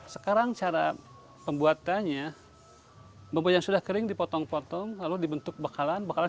sekarang cara pembuatannya bumbu yang sudah kering dipotong potong lalu dibentuk bakalan bakalan